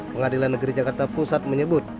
pengadilan negeri jakarta pusat menyebut